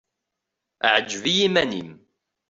Ɛǧeb i yiman-im.